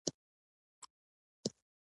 مخنی مغزه دوه برخې او ډاینسفالون لري